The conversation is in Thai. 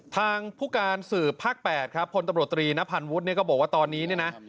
ทางภูการสื่อภาค๘ครับพลตบริตรีนภัณฑ์วุฒิก็บอกว่าตอนนี้เนี่ยนะ